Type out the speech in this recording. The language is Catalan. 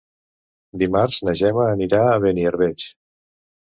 Dimarts na Gemma anirà a Beniarbeig.